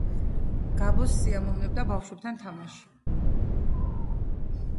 გაბოს სიამოვნებდა ბავშვებთან თამაში